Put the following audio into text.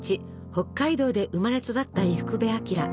北海道で生まれ育った伊福部昭。